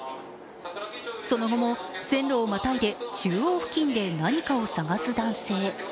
その後も線路をまたいで中央付近で何かを探す男性。